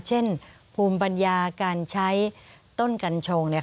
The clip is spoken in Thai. เช่นภูมิปัญญาการใช้ต้นกัญชง